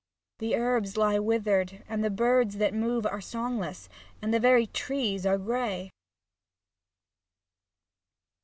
The herbs lie withered, and the birds that move Are songless, and the very trees are grey.